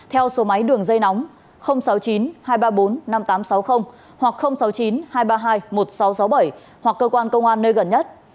theo số máy đường dây nóng sáu mươi chín hai trăm ba mươi bốn năm nghìn tám trăm sáu mươi hoặc sáu mươi chín hai trăm ba mươi hai một nghìn sáu trăm sáu mươi bảy hoặc cơ quan công an nơi gần nhất